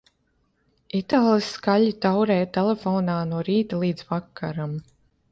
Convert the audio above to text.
Itālis skaļi taurē telefonā no rīta līdz vakaram.